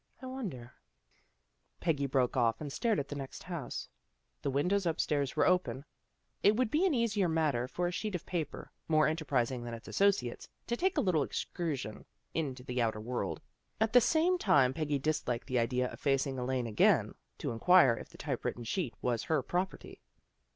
I wonder Peggy broke off, and stared at the next house. The windows upstairs were open. It would be an easy matter for a sheet of paper, more enterprising than its associates, to take a little excursion into the outer world. At the same time, Peggy disliked the idea of facing Elaine again, to inquire if the typewritten sheet was her property.